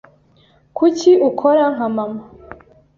Kuki ukora nka mama?